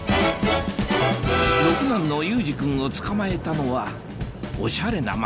六男の有志君をつかまえたのはオシャレな街